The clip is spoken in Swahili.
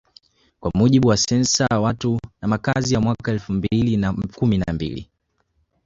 Kwa mujibu wasensa Watu na Makazi ya mwaka elfu mbili na kumi na mbili